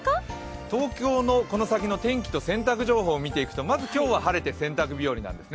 東京のこの先の天気と洗濯情報を見ていくとまず今日は晴れて洗濯日和なんですね。